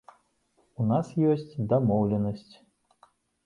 У нас ёсць дамоўленасць.